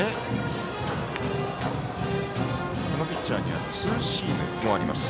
このピッチャーにはツーシームもあります。